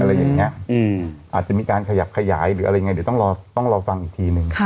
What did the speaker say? อะไรอย่างเงี้ยอาจจะมีการขยับขยายหรืออะไรอย่างเงี้ยต้องรอฟังอีกทีหนึ่ง